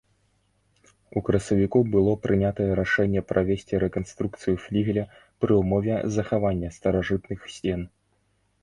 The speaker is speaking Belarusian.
У красавіку было прынятае рашэнне правесці рэканструкцыю флігеля пры ўмове захавання старажытных сцен.